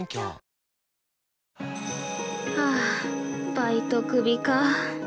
◆あぁ、バイトクビかぁ。